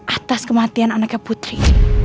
atas kematian anaknya putri